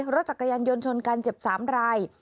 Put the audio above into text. รถจักรยานยนต์ชนกันเจ็บ๓ราย